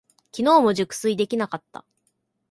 きのうも熟睡できなかった。